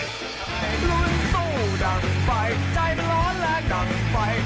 ลุ้นสู้ดังไฟใจร้อนและดังไฟ